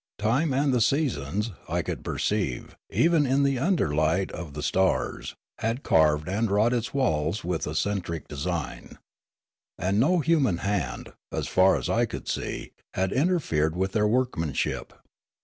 Time and the sea sons, I could perceive, even in the underlight of the stars, had carved and wrought its walls with eccentric design. And no human hand, as far as I could see, had interfered with their workmanship.